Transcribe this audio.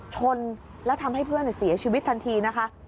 ชนแล้วทำให้เพื่อนเสียชีวิตทันทีนะคะ